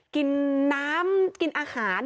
กินน้ำกินอาหาร